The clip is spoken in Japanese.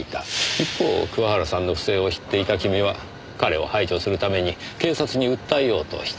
一方桑原さんの不正を知っていた君は彼を排除するために警察に訴えようとした。